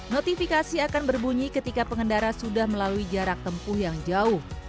notifikasi akan berbunyi ketika pengendara sudah melalui jarak tempuh yang jauh